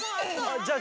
じゃあさ